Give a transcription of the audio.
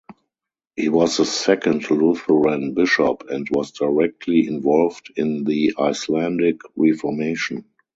He was the second Lutheran bishop and was directly involved in the Icelandic Reformation.